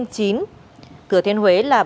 cửa thiên huế là bốn sáu trăm tám mươi bảy